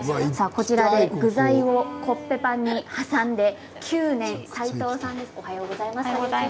こちらで具材をコッペパンに挟んで９年、齊藤さんです。